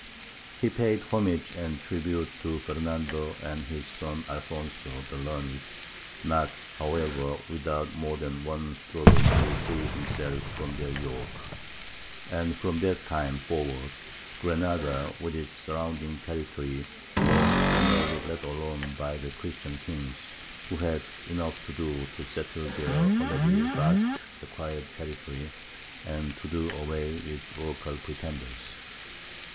He paid homage and tribute to Fernando and his son Alfonso the Learned, not, however, without more than one struggle to free himself from their yoke; and from that time forward Granada with its surrounding territory was generally let alone by the Christian kings, who had enough to do to settle their already vast acquired territory and to do away with local pretenders.